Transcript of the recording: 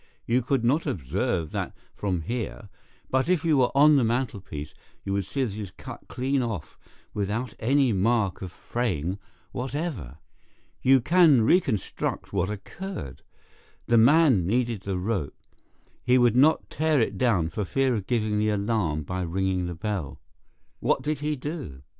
You could not observe that from here, but if you were on the mantelpiece you would see that it is cut clean off without any mark of fraying whatever. You can reconstruct what occurred. The man needed the rope. He would not tear it down for fear of giving the alarm by ringing the bell. What did he do?